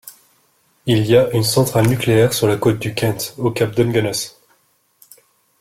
Il y a une centrale nucléaire sur la côte du Kent au cap Dungeness.